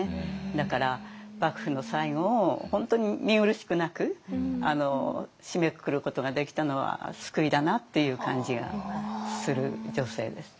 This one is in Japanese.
だから幕府の最後を本当に見苦しくなく締めくくることができたのは救いだなっていう感じがする女性です。